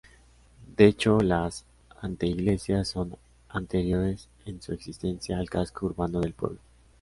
De hecho las anteiglesias son anteriores en su existencia al casco urbano del pueblo.